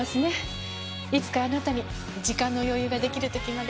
いつかあなたに時間の余裕ができる時まで。